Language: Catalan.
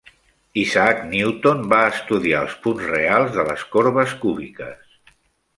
Isaac Newton va estudiar els punts reals de les corbes cúbiques.